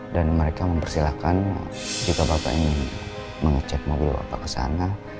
dan mereka mempersilahkan jika bapak ingin mengecek mobil bapak kesana